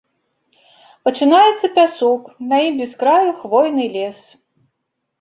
Пачынаецца пясок, на ім без краю хвойны лес.